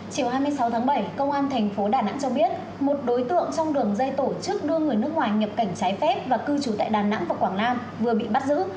chiều hai mươi sáu tháng bảy công an thành phố đà nẵng cho biết một đối tượng trong đường dây tổ chức đưa người nước ngoài nhập cảnh trái phép và cư trú tại đà nẵng và quảng nam vừa bị bắt giữ